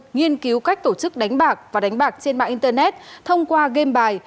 nghiên cứu cách tổ chức đánh bạc và đánh bạc trên mạng internet thông qua game bài